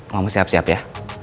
mau siap siap ya